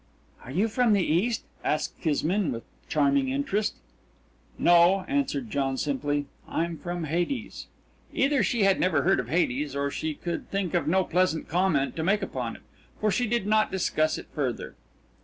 "Are you from the East?" asked Kismine with charming interest. "No," answered John simply. "I'm from Hades." Either she had never heard of Hades, or she could think of no pleasant comment to make upon it, for she did not discuss it further.